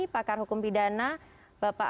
pakar hukum pidana bapak